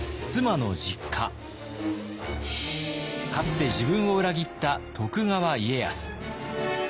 かつて自分を裏切った徳川家康。